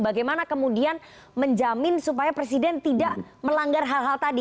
bagaimana kemudian menjamin supaya presiden tidak melanggar hal hal tadi